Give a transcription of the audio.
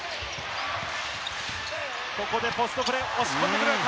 ここでポストプレー、押し込めるか？